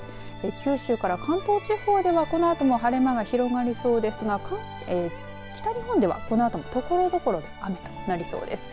九州から関東地方ではこのあとも晴れ間が広がりそうですが北日本では、このあとところどころで雨となりそうです。